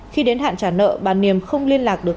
khi đến hạn trả nợ bà niềm không liên lạc được